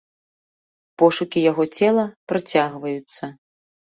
Пошукі яго цела працягваюцца.